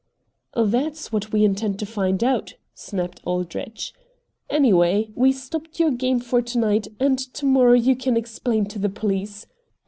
"That's what we intend to find out," snapped Aldrich. "Anyway, we've stopped your game for to night, and to morrow you can explain to the police!